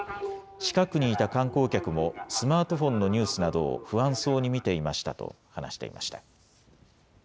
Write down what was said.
近くにいた観光客もスマートフォンのニュースなどを不安そうに見ていましたと話していました。